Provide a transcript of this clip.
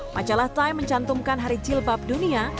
majalah time mencantumkan hari jilbab dunia